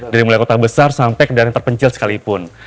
dari mulai kota besar sampai ke daerah terpencil sekalipun